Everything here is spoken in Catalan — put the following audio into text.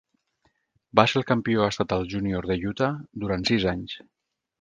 Va ser el campió estatal júnior de Utah durant sis anys.